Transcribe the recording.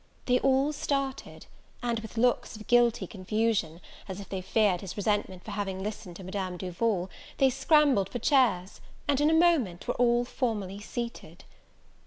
They all started; and, with looks of guilty confusion, as if they feared his resentment for having listened to Madame Duval, they scrambled for chairs, and in a moment were all formally seated.